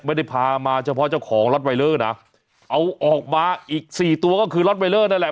ไม่ได้พามาเฉพาะเจ้าของล็อตไวเลอร์นะเอาออกมาอีกสี่ตัวก็คือล็อตไวเลอร์นั่นแหละ